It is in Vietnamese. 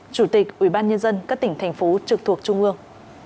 chủ tịch ubnd các tỉnh thành phố trực thuộc trung ương